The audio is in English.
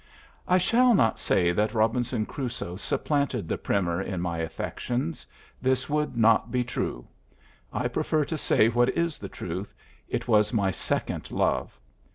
I shall not say that "Robinson Crusoe" supplanted the Primer in my affections; this would not be true. I prefer to say what is the truth; it was my second love.